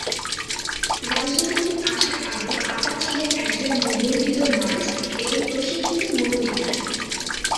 রাজনীতিবিদ আসার আগে আতা ছিলেন একজন নিবন্ধিত নার্স এবং প্রশিক্ষিত মনোবিজ্ঞানী।